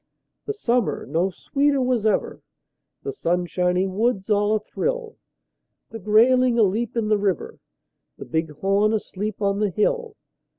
The summer no sweeter was ever; The sunshiny woods all athrill; The grayling aleap in the river, The bighorn asleep on the hill.